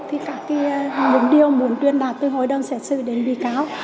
thì các cái những điều muốn truyền đạt từ hội đồng xét xử đến bị cáo